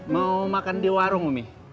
mau makan di warung umi